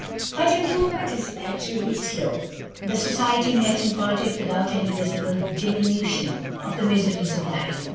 333 But improvement is naturally slow. The Society met and parted without any visible diminution of the miseries of life.